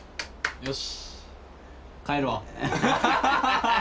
よし。